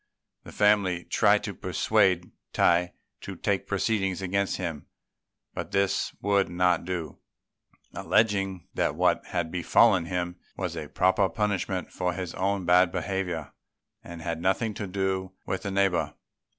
The family tried to persuade Tai to take proceedings against him, but this he would not do, alleging that what had befallen him was a proper punishment for his own bad behaviour, and had nothing to do with the neighbour.